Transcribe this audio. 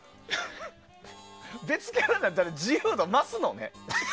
別キャラになったら自由度増すのね。